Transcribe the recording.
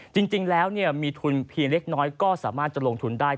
จริงแล้วมีทุนเพียงเล็กน้อยก็สามารถจะลงทุนได้